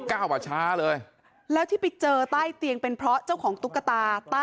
เก้าป่าช้า